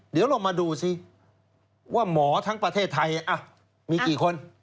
เดี๋ยวลองมาดูสิว่าหมอทั้งประเทศไทยมีกี่คน